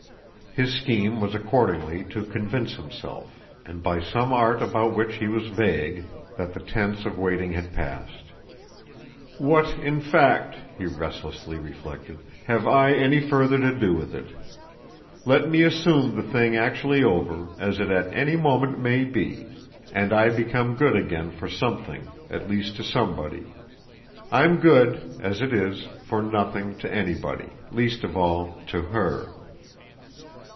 His scheme was accordingly to convince himself and by some art about which he was vague that the sense of waiting had passed. "What in fact," he restlessly reflected, "have I any further to do with it? Let me assume the thing actually over as it at any moment may be and I become good again for something at least to somebody. I'm good, as it is, for nothing to anybody, least of all to HER."